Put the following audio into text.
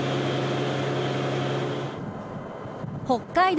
北海道